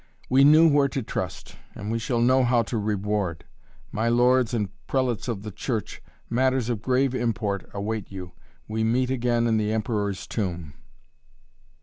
"We knew where to trust, and we shall know how to reward! My lords and prelates of the Church! Matters of grave import await you. We meet again in the Emperor's Tomb."